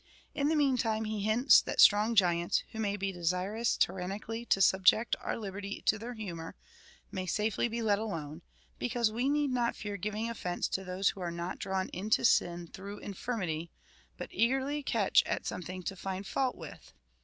In the meantime, he hints that strong giants, who may be desirous tyrannically to subject our liberty to their humour, may safely be let alone,^ because we need not fear giving offence to those who are not drawn into sin through infirmity, but eagerly catch at something to find fault with.